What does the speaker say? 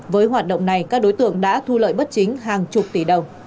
với hoạt động này các đối tượng đã thu lợi bất chính hàng chục tỷ đồng